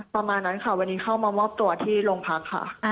ประมาณนั้นค่ะวันนี้เข้ามามอบตัวที่โรงพักค่ะ